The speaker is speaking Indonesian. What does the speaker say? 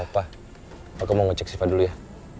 pak aku mau ngecek sifat dulu ya